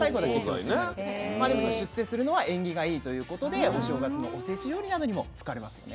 まあでもその出世するのは縁起がいいということでお正月のおせち料理などにも使われますよね。